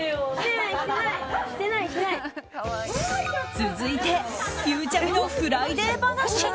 続いて、ゆうちゃみの「フライデー」話に。